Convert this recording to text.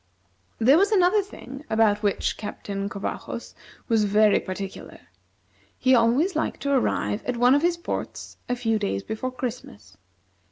There was another thing about which Captain Covajos was very particular; he always liked to arrive at one of his ports a few days before Christmas.